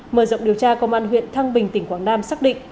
mở rộng điều tra công an huyện thăng bình tỉnh quảng nam xác định